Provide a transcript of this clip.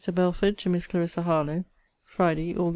BELFORD, TO MISS CLARISSA HARLOWE FRIDAY, AUG.